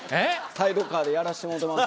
サイドカーでやらせてもうてます。